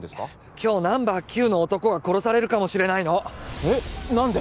今日ナンバー９の男が殺されるかもしれないのえっ何で？